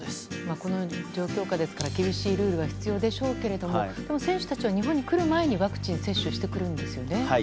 このような状況下ですから厳しいルールは必要でしょうけどでも選手たちは日本に来る前にワクチン接種してくるんですよね。